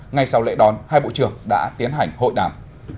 ngay sau lễ đón hai bộ trưởng đã tiến hành hội đàm